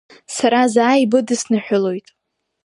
Сара заа ибыдысныҳәалоит…